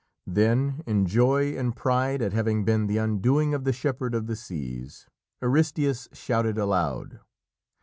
Then, in joy and pride at having been the undoing of the shepherd of the seas, Aristæus shouted aloud.